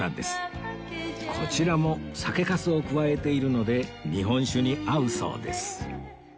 こちらも酒粕を加えているので日本酒に合うそうです